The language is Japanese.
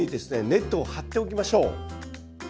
ネットを張っておきましょう。